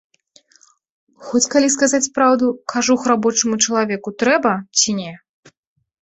Хоць, калі сказаць праўду, кажух рабочаму чалавеку трэба ці не?